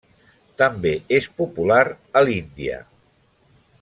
També és popular a l'Índia.